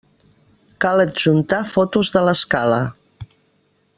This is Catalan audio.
Cal adjuntar fotos de l'escala.